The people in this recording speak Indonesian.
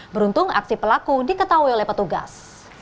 beruntung aksi pelaku diketahui oleh petugas